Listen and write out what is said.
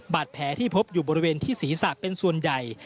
บาดแผลที่พบอยู่บริเวณที่ศีรษะเป็นส่วนใหญ่